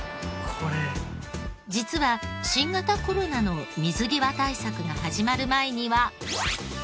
実は新型コロナの水際対策が始まる前には。